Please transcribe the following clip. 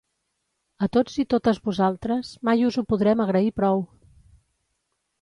A tots i totes vosaltres, mai us ho podrem agrair prou!